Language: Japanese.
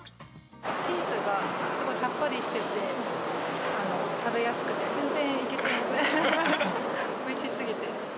チーズがすごいさっぱりしてて、食べやすくて、全然いけちゃいます、おいしすぎて。